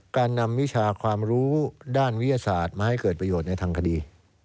การนำวิชาความรู้ด้านวิทยาศาสตร์มาให้เกิดประโยชน์ในทางคดี